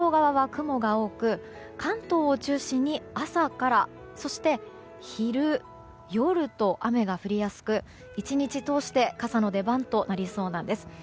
ただ一方で太平洋側は雲が多く関東を中心に朝からそして昼、夜と雨が降りやすく１日通して傘の出番となりそうです。